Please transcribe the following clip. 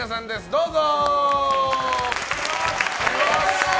どうぞ。